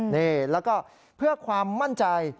นี่แล้วก็เพื่อความมั่นใจ